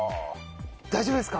大丈夫ですか？